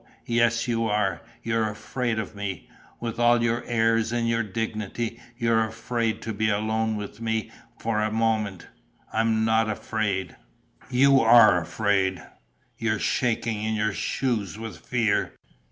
"Yes, you are: you're afraid of me. With all your airs and your dignity, you're afraid to be alone with me for a moment." "I'm not afraid." "You are afraid. You're shaking in your shoes with fear.